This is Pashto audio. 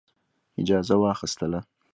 اجازه واخیستله.